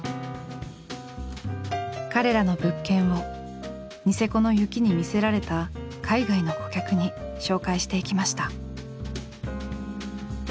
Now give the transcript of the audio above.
彼らの物件をニセコの雪に魅せられた海外の顧客に紹介していきました。